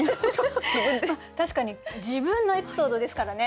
確かに自分のエピソードですからね。